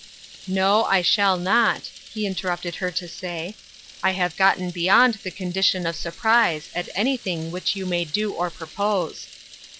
" No, I shall not," he interrupted her to say, " I have gotton beyond the condition of surprise at anything which you may do or propose."